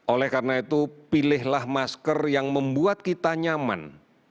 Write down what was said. oleh karena itu pilihlah masker yang membuat kita nyaman